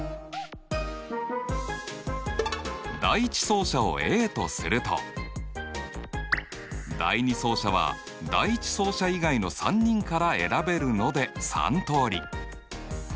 第１走者をＡとすると第２走者は第１走者以外の３人から選べるので３通り。